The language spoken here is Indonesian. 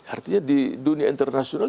artinya di dunia internasional